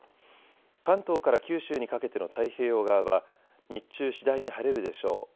関東から九州にかけての太平洋側は日中、次第に晴れるでしょう。